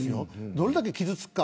どれだけ傷つくか。